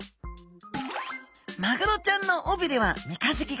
マグロちゃんの尾びれは三日月形。